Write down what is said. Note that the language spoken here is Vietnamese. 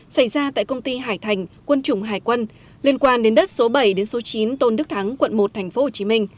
xảy ra tại công ty hải thành quân chủng hải quân liên quan đến đất số bảy đến số chín tôn đức thắng quận một tp hcm